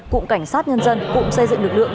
cụm cảnh sát nhân dân cụm xây dựng lực lượng